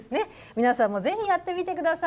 皆さんもぜひやってみてください。